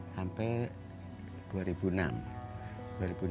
sampai ke bandung